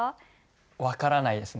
分からないですね。